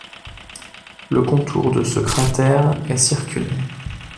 Le contour de ce cratère est circulaire.